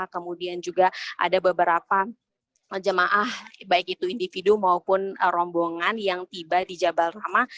kemudian juga ada beberapa jemaah baik itu individu maupun rombongan yang tiba di jabal rahmah